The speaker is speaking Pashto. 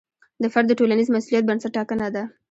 د فرد د ټولنیز مسوولیت بنسټ ټاکنه ده.